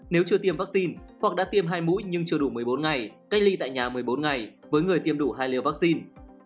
nếu chưa tiêm vaccine hoặc đã tiêm hai mũi nhưng chưa đủ một mươi bốn ngày cách ly tại nhà một mươi bốn ngày với người tiêm đủ hai liều vaccine